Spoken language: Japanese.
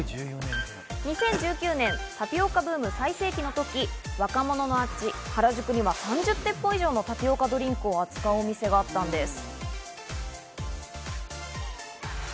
２０１９年タピオカブーム最盛期のとき、若者の街・原宿には３０店舗以上のタピオカドリンクを扱うお店があったんです。